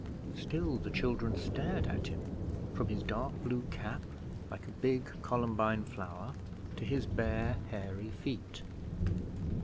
Still the children stared at him from his dark blue cap, like a big columbine flower, to his bare, hairy feet.